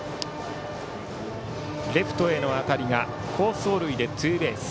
レフトへの当たりが好走塁でツーベース。